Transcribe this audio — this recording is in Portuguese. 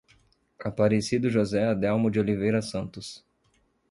Aparecido José Adelmo de Oliveira Santos